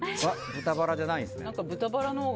豚バラじゃないんですかね。